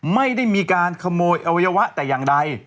ไม่ได้มีการขโมยอวัยวะแต่อย่างใด